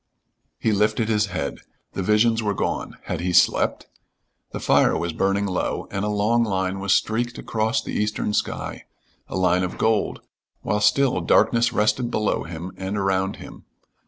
He lifted his head. The visions were gone. Had he slept? The fire was burning low and a long line was streaked across the eastern sky; a line of gold, while still darkness rested below him and around him.